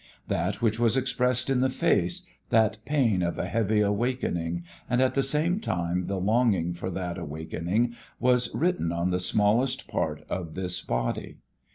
That which was expressed in the face, that pain of a heavy awakening, and at the same time the longing for that awakening, was written on the smallest part of this body.